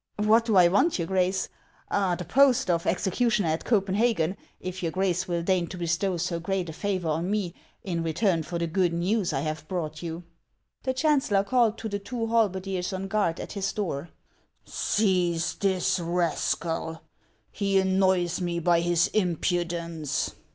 " What do I want, your Grace ? The post of execu tioner at Copenhagen, if your Grace will deign to bestow so great a favor on me in return for the good news I have brought vou." 5'2'2 HANS Or ICELAND. The chancellor called to the two halberdiers 011 guard a4t his door :" JSeize this rascal ; he annoys rne by his impudence."